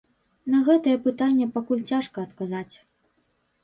На гэтае пытанне пакуль цяжка адказаць.